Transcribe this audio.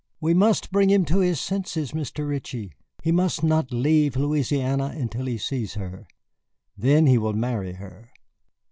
We must bring him to his senses, Mr. Ritchie. He must not leave Louisiana until he sees her. Then he will marry her."